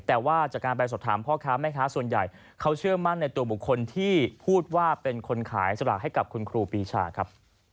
แต่ว่าจากการไปสอบถามพ่อค้าแม่ค้าส่วนใหญ่เขาเชื่อมั่นในตัวบุคคลที่พูดว่าเป็นคนขายสลากให้กับคุณครูปีชาครับ